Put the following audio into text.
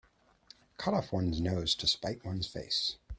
Cut off one's nose to spite one's face.